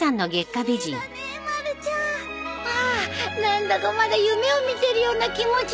何だかまだ夢を見てるような気持ちだよ。